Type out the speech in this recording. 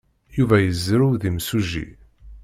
Yuba yezrew d imsujji.